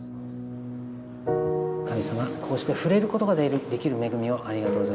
神様こうして触れることができる恵みをありがとうございます。